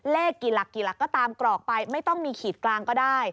เลขกี่หลักกี่หลักก็ตามกรอกไปไม่ต้องมีขีดกลางก็ได้